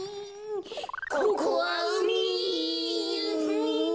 ここはうみ。